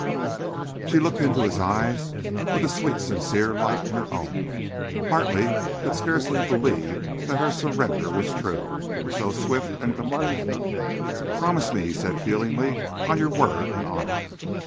She looked into his eyes with a sweet, sincere light in her own. Hartley could scarcely believe that her surrender was true, it was so swift and complete. "Promise me," he said feelingly, "on your word and honour."